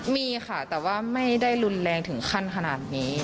มีค่ะแต่ว่าไม่ได้รุนแรงถึงขั้นขนาดนี้